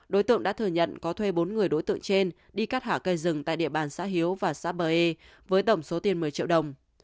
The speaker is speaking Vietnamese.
đối tượng đã thừa nhận có thuê bốn người đối tượng trên đi cắt hạ cây rừng tại địa bàn xã hiếu và xã bờ e với tổng số tiền một mươi triệu đồng